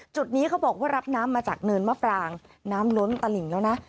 จุดนี้เขาบอกว่ารับน้ำมาจากเนินมะปรางน้ำล้นตลิ่งแล้วนะ